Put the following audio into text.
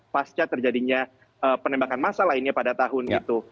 pasca terjadinya penembakan masa lainnya pada tahun itu